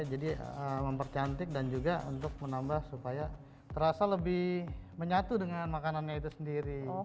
jadi mempercantik dan juga untuk menambah supaya terasa lebih menyatu dengan makanannya itu sendiri